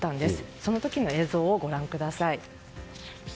その時の映像をご覧ください。